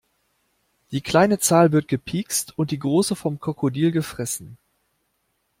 Die kleine Zahl wird gepikst und die große vom Krokodil gefressen.